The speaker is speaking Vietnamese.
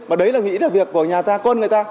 mà đấy là nghĩa là việc của nhà ta con người ta